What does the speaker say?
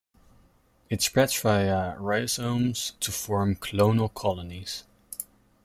It spreads via rhizomes to form clonal colonies.